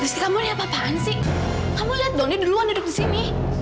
rizky kamu ini apa apaan sih kamu lihat dong dia duluan duduk di sini